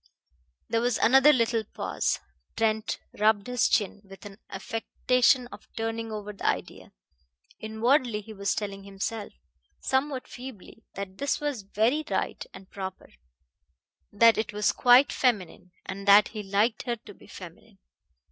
There was another little pause. Trent rubbed his chin, with an affectation of turning over the idea. Inwardly he was telling himself, somewhat feebly, that this was very right and proper; that it was quite feminine, and that he liked her to be feminine.